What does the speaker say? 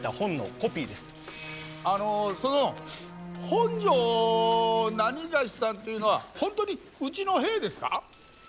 あのそのほんじょうなにがしさんっていうのは本当にうちの兵ですか？